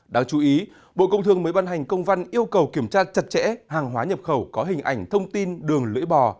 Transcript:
đáng chú ý bộ công thương mới ban hành công văn yêu cầu kiểm tra chặt chẽ hàng hóa nhập khẩu có hình ảnh thông tin đường lưỡi bò